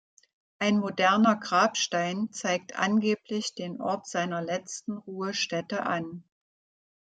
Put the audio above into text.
Ein moderner Grabstein zeigt angeblich den Ort seiner letzten Ruhestätte an.